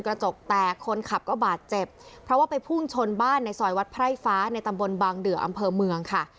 กระจกแตกคนขับก็บาดเจ็บเพราะว่าไปพุ่งชนบ้านในซอยวัดไพร่ฟ้าในตำบลบางเดืออำเภอเมืองค่ะ